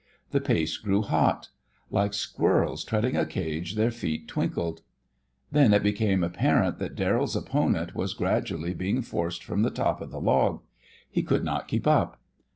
The pace grew hot. Like squirrels treading a cage their feet twinkled. Then it became apparent that Darrell's opponent was gradually being forced from the top of the log. He could not keep up.